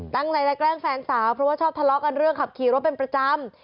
ตั้งใจจะแกล้งแฟนสาวเพราะว่าชอบทะเลาะกันเรื่องขับขี่รถเป็นประจำ